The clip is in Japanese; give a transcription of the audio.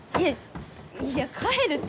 いや帰るって。